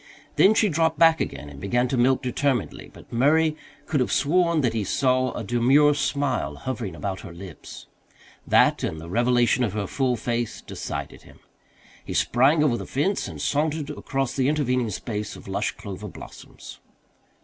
Then she dropped back again and began to milk determinedly, but Murray could have sworn that he saw a demure smile hovering about her lips. That, and the revelation of her full face, decided him. He sprang over the fence and sauntered across the intervening space of lush clover blossoms.